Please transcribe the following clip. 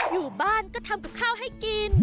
อยู่บ้านก็ทำกับข้าวให้กิน